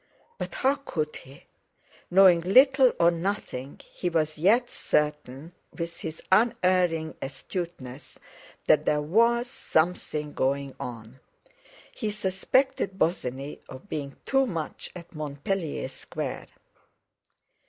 But how could he? Knowing little or nothing, he was yet certain, with his unerring astuteness, that there was something going on. He suspected Bosinney of being too much at Montpellier Square.